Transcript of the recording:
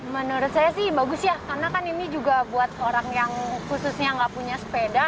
menurut saya sih bagus ya karena kan ini juga buat orang yang khususnya nggak punya sepeda